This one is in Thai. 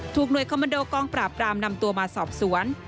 หน่วยคอมมันโดกองปราบรามนำตัวมาสอบสวน